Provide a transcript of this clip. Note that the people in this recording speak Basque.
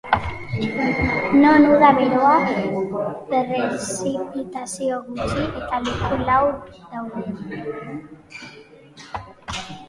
Non uda beroa, prezipitazio gutxi, eta leku laua dauden.